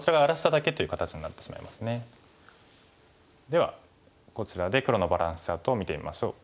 ではこちらで黒のバランスチャートを見てみましょう。